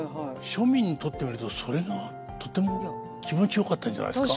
庶民にとってみるとそれはとても気持ちよかったんじゃないですか。